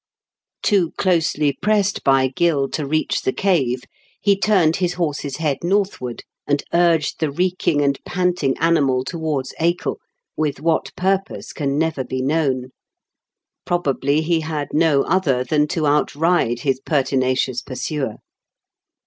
Too closely pressed by Gill to reach the cave, he turned his horse's head northward, and urged the reeking and panting animal towards Acol, with what purpose can never be known* 310 IN KENT WITH CHABLE8 DICKENS. Probably be bad no otber tban to outride bis pertinacious pursuer.